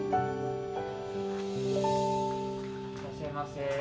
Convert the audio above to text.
いらっしゃいませ。